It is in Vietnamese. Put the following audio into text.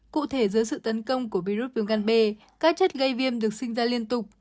cụ thể dưới sự tấn công của virus viêm gan b các chất gây viêm được sinh ra liên tục